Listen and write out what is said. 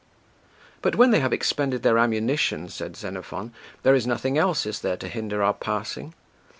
"But when they have expended their ammunition," said Xenophon, "there is nothing else, is there, to hinder our passing?